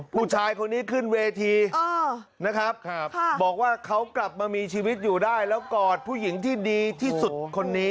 ผู้ชายคนนี้ขึ้นเวทีนะครับบอกว่าเขากลับมามีชีวิตอยู่ได้แล้วกอดผู้หญิงที่ดีที่สุดคนนี้